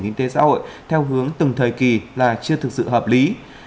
kinh tế xã hội theo hướng từng thời kỳ là chưa thực sự hợp lý